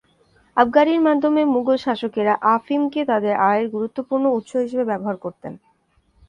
আবগারির মাধ্যমে মুগল শাসকেরা আফিমকে তাদের আয়ের গুরুত্বপূর্ণ উৎস হিসেবে ব্যবহার করতেন।